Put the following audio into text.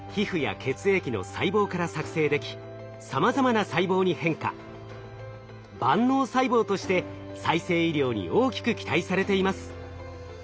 ｉＰＳ細胞は万能細胞として再生医療に大きく期待されています。